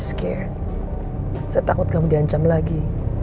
saya takut kamu diancam lagi